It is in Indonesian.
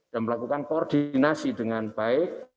dan melakukan koordinasi dengan baik